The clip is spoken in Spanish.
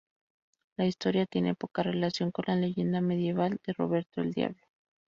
La historia tiene poca relación con la leyenda medieval de "Roberto el Diablo".